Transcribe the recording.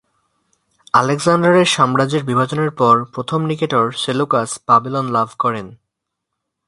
আলেকজান্ডারের সাম্রাজ্যের বিভাজনের পর, প্রথম নিকেটর সেলুকাস বাবিলন লাভ করেন।